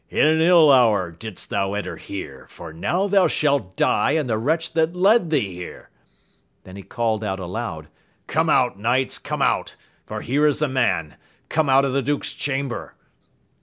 In an ill hour didst thou enter here, for now thou shalt die and the wretch that led thee here! Then he called out aloud, come out, knights, come out, for here is a man Come out of the duke's chamber